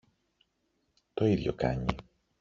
Το ίδιο κάνει.